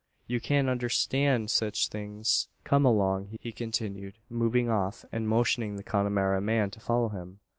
You can't unnerstan sech things. Kum along!" he continued, moving off, and motioning the Connemara man to follow him.